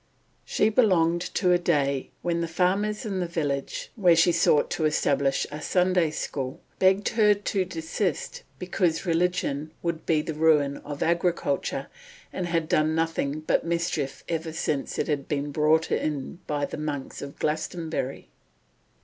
She belonged to a day when the farmers in the village, where she sought to establish a Sunday school, begged her to desist because "religion would be the ruin of agriculture, and had done nothing but mischief ever since it had been brought in by the monks at Glastonbury."